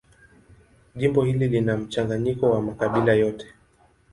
Jimbo hili lina mchanganyiko wa makabila yote.